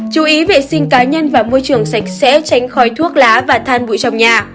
chú ý vệ sinh cá nhân và môi trường sạch sẽ tránh khói thuốc lá và than bụi trong nhà